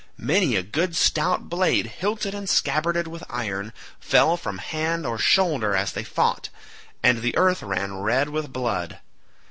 Many a good stout blade hilted and scabbarded with iron, fell from hand or shoulder as they fought, and the earth ran red with blood.